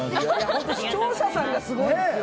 視聴者さんがすごいですよ。